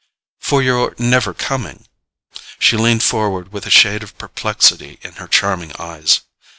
"For your never coming." She leaned forward with a shade of perplexity in her charming eyes.